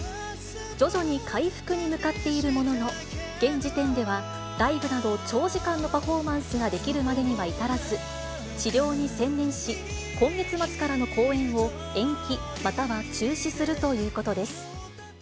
徐々に回復に向かっているものの、現時点ではライブなど長時間のパフォーマンスができるまでには至らず、治療に専念し、今月末からの公演を延期または中止するということです。